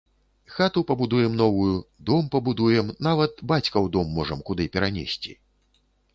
Хату пабудуем новую, дом пабудуем, нават бацькаў дом можам куды перанесці.